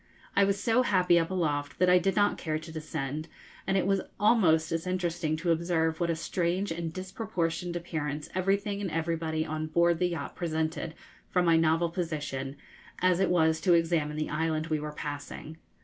I was so happy up aloft that I did not care to descend; and it was almost as interesting to observe what a strange and disproportioned appearance everything and everybody on board the yacht presented from my novel position, as it was to examine the island we were passing.